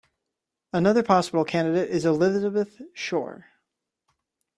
Another possible candidate is Elizabeth Shore.